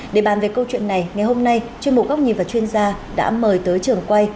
để bàn về câu chuyện này ngày hôm nay chuyên mục góc nhìn và chuyên gia đã mời tới trường quay